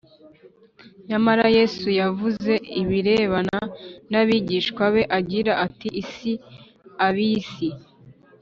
Nyamara Yesu yavuze ibirebana n abigishwa be agira ati si ab isi